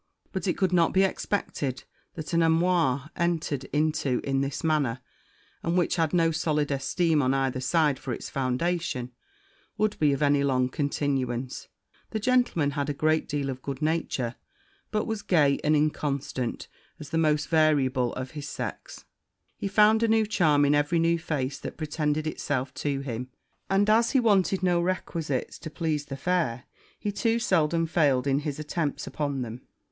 But it could not be expected that an amour, entered into in this manner, and which had no solid esteem on either side for it's foundation, would be of any long continuance; the gentleman had a great deal of good nature, but was gay and inconstant as the most variable of his sex he found a new charm in every face that presented itself to him; and, as he wanted no requisites to please the fair, he too seldom failed in his attempts upon them.